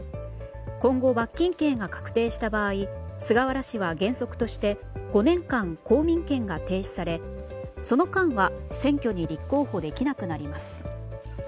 今後、罰金刑が確定した場合菅原氏は原則として５年間、公民権が停止されその間は選挙に立候補できなくなります。